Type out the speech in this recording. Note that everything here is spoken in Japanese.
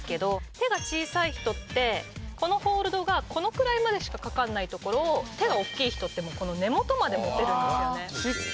手が小さい人ってこのホールドがこのくらいまでしか掛かんないところを手が大っきい人って根元まで持てるんですよね。